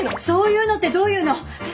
そういうのってどういうの？